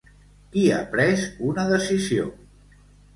Qui ha pres una decisió?